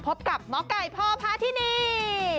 พบกับหมอไก่พ่อพาทินี